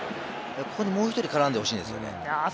ここにもう１人絡んでほしいんですよね。